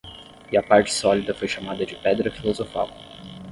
E a parte sólida foi chamada de Pedra Filosofal.